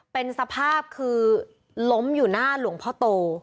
เป็นสภาพคือล้มอยู่หน้าหลวงพ่อโต